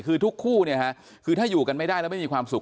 คือทุกคู่ถ้าอยู่กันไม่ได้แล้วไม่มีความสุข